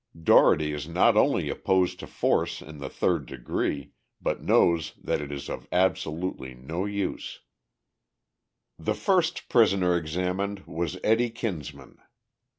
Dougherty is not only opposed to force in the "third degree," but knows that it is of absolutely no use. The first prisoner examined was Eddie Kinsman.